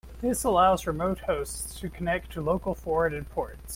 This allows remote hosts to connect to local forwarded ports.